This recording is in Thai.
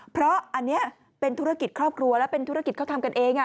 เพราะอันนี้เป็นธุรกิจครอบครัวและเป็นธุรกิจเขาทำกันเอง